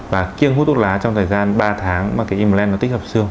và kiêng hút thuốc lá trong thời gian ba tháng mà cái im lên nó tích hợp xương